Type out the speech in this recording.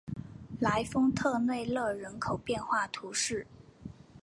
莱丰特内勒人口变化图示